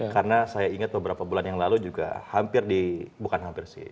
karena saya ingat beberapa bulan yang lalu juga hampir di bukan hampir sih